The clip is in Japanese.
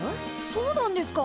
そうなんですか？